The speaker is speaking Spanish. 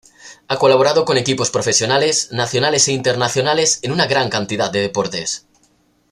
Ha colaborado con equipos profesionales, nacionales e internacionales en una gran cantidad de deportes.